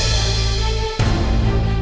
ibu dia ingin polisi